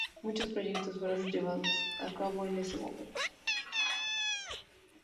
Muchos proyectos fueron llevados a cabo en ese momento.